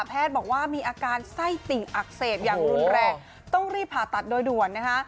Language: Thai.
บอกว่ามีอาการไส้ติ่งอักเสบอย่างรุนแรงต้องรีบผ่าตัดโดยด่วนนะคะ